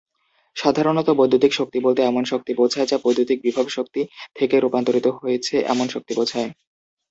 সাধারণত বৈদ্যুতিক শক্তি বলতে এমন শক্তি বোঝায় যা বৈদ্যুতিক বিভবশক্তি থেকে রূপান্তরিত হয়েছে এমন শক্তি বোঝায়।